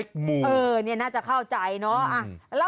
คุณสมัครค่ะคุณสมัครค่ะ